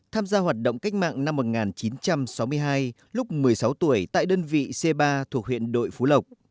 tham gia hoạt động cách mạng năm một nghìn chín trăm sáu mươi hai lúc một mươi sáu tuổi tại đơn vị c ba thuộc huyện đội phú lộc